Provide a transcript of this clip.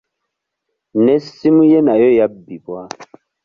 N'essimu ye nayo yabbibwa.